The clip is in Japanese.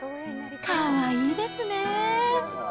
かわいいですね。